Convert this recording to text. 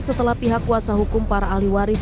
setelah pihak kuasa hukum para ahli waris